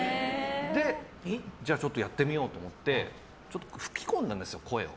じゃあちょっとやってみようと思って吹き込んだんですよ、声を。